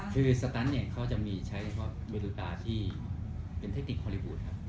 คือสตันท์เนี่ยเขาจะมีใช้เวลากาที่เป็นเทคนิคฮอลลี่บูธครับ